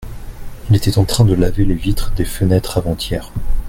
il était en train de laver les vitres des fenêtres avant-hier.